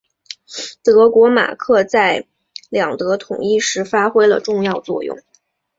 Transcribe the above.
德国马克在两德统一时发挥了重要作用。